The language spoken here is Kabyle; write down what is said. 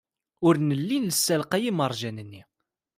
Ur nelli nessalqay imerjan-nni.